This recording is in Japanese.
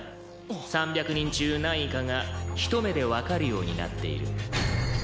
「３００人中何位かがひと目でわかるようになっている」